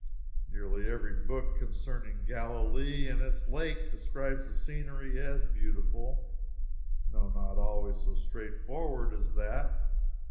Nearly every book concerning Galilee and its lake describes the scenery as beautiful. No not always so straightforward as that.